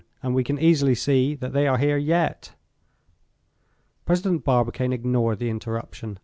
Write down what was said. And we can easily see that they are here yet." President Barbicane ignored the interruption.